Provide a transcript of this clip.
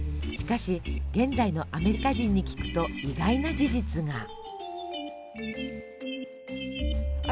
しかし現在のアメリカ人に聞くと意外な事実が。